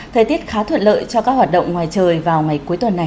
thời tiết khá thuận lợi cho các hoạt động ngoài trời vào ngày cuối tuần này